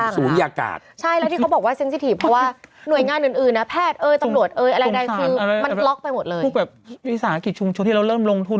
พูดแบบมีศาลกิจชุมชุดที่เราเริ่มลงทุน